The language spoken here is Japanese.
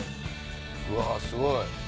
うわすごい！